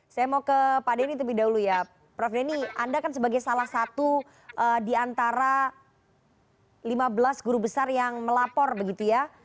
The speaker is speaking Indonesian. saya mau ke pak denny terlebih dahulu ya prof denny anda kan sebagai salah satu di antara lima belas guru besar yang melapor begitu ya